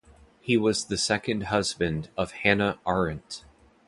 He was the second husband of Hannah Arendt.